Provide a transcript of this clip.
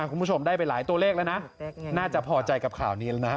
คุณผู้ชมได้ไปหลายตัวเลขแล้วนะน่าจะพอใจกับข่าวนี้แล้วนะ